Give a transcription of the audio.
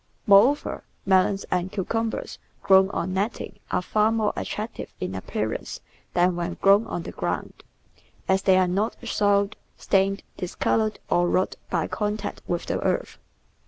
Moreover, melons and cucumbers grown on netting are far more attractive in appearance than when grown on the ground, as they are not soiled, stained, discoloured, or rotted by contact with the earth.